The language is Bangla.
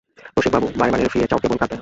রসিকবাবু, বারে বারে ফিরে চায় কেবল কাব্যে।